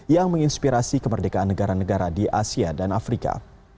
yang menginspirasi kemerdekaan negara negara di asia dan afrika